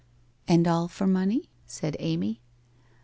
f And all for money ?' said Amy.